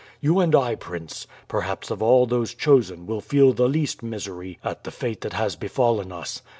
You and I, prince, perhaps of all those chosen will feel the least misery at the fate that has befallen us.